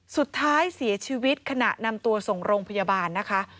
สุดท้ายเสียชีวิตขณะนำตัวส่งโรงพยาบาลนะคะ